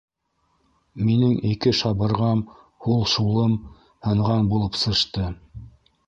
Минең ике шабырғам, һул шулым һынған булып сышты.